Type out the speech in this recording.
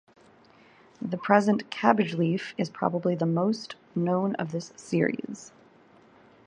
The present "Cabbage Leaf" is probably the most known of this series.